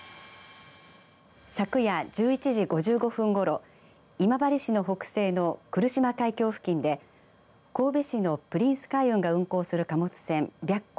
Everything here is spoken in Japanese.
昨夜１１時５５分ごろ今治市の北西の来島海峡付近で神戸市のプリンス海運が運航する貨物船、白虎